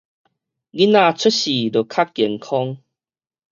囡仔出世就較健康